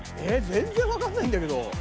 全然わかんないんだけど。